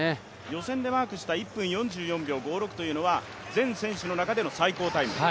予選でマークした１分４４秒５６というのは全選手の中での最高タイム。